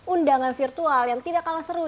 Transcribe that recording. undangan virtual yang tidak kalah seru